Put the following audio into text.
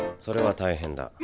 それは大変だ。